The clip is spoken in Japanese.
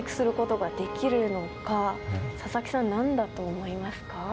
佐々木さん何だと思いますか？